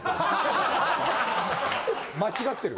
間違ってる。